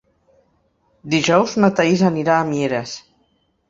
Dijous na Thaís anirà a Mieres.